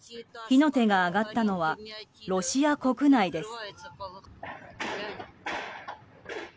火の手が上がったのはロシア国内です。